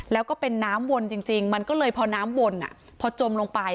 แล้วก็เป็นน้ำวนจริงมันก็เลยพอน้ำวนพอจมลงไป